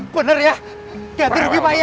bener ya ganti rugi pak ya